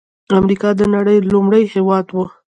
امریکا د نړۍ لومړنی هېواد و.